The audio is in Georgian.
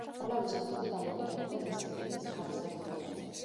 კვლევის მეთოდი დამოკიდებულია დისციპლინის თავისებურებებზე.